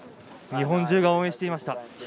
日本中が応援していました。